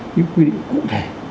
cái quy định cụ thể